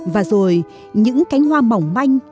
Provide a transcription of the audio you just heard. và rồi những cánh hoa mỏng manh